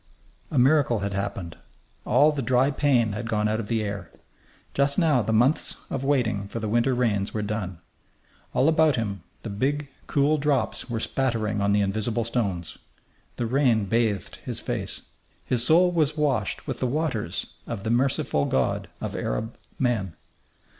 A miracle had happened. All the dry pain had gone out of the air. Just now the months of waiting for the winter rains were done. All about him the big, cool drops were spattering on the invisible stones. The rain bathed his face. His soul was washed with the waters of the merciful God of Arab men.